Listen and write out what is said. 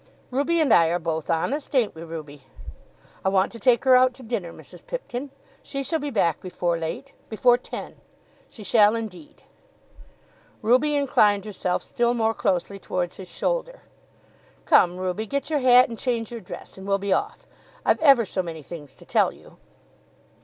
"Ruby and I are both honest; ain't we, Ruby? I want to take her out to dinner, Mrs. Pipkin. She shall be back before late; before ten; she shall indeed." Ruby inclined herself still more closely towards his shoulder. "Come, Ruby, get your hat and change your dress, and we'll be off. I've ever so many things to tell you."